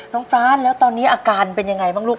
ฟ้านแล้วตอนนี้อาการเป็นยังไงบ้างลูก